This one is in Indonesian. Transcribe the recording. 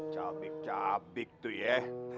cabik cabik tuh ya